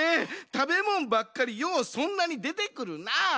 たべもんばっかりようそんなにでてくるなあ！